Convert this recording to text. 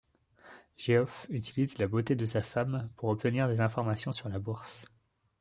Geoff utilise la beauté de sa femme pour obtenir des informations sur la bourse.